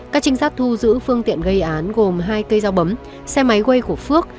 các trinh sát thu giữ phương tiện gây án gồm hai cây dao bấm xe máy quay của phước